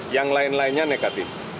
yang lain lainnya negatif